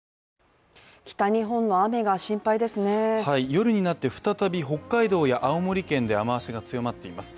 夜になって再び北海道や青森県で雨足が強まっています。